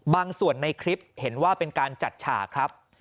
ส่วนในคลิปเห็นว่าเป็นการจัดฉากครับ